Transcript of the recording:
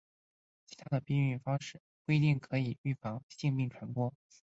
其他的避孕方式不一定可以预防性病传播。